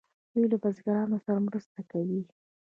دوی له بزګرانو سره مرسته کوي.